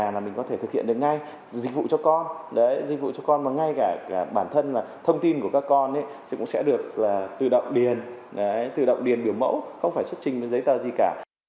ở nhà là mình có thể thực hiện được ngay dịch vụ cho con dịch vụ cho con và ngay cả bản thân thông tin của các con cũng sẽ được tự động điền biểu mẫu không phải xuất trình với giấy tờ gì cả